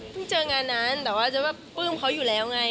เจองานนั้นแต่ว่าจะว่าปลื้มเขาอยู่แล้วไง